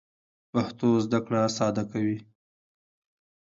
پښتو زده کړه ساده کوي.